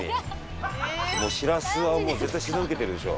もうしらすは絶対取材受けてるでしょ。